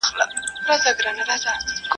خپل عېب د اوږو منځ دئ.